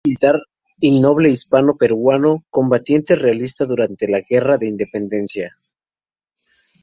Fue un militar y noble hispano-peruano, combatiente realista durante la guerra de independencia.